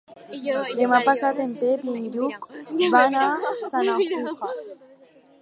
Demà passat en Pep i en Lluc van a Sanaüja.